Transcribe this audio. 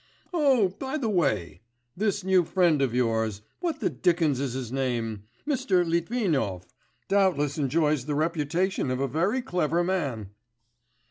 'Oh, by the way! This new friend of yours what the dickens is his name? Mr. Litvinov doubtless enjoys the reputation of a very clever man.